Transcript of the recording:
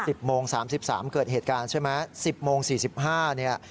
สิบโมงสามสิบสามเกิดเหตุการณ์ใช่ไหมสิบโมงสี่สิบห้าเนี่ย